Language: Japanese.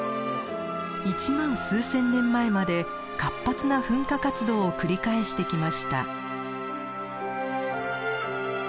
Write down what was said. １万数千年前まで活発な噴火活動を繰り返してきました。